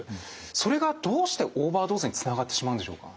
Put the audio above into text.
それがどうしてオーバードーズにつながってしまうんでしょうか？